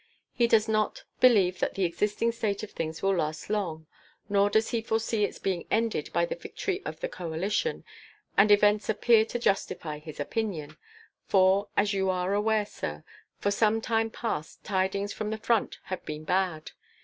He does not believe that the existing state of things will last long. Nor does he foresee its being ended by the victory of the coalition, and events appear to justify his opinion; for, as you are aware, sir, for some time past tidings from the front have been bad.